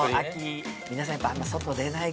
皆さんやっぱあんま外出ないかなって。